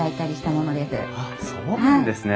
あっそうなんですね。